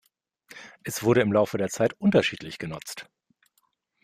Es wurde im Laufe der Zeit unterschiedlich genutzt.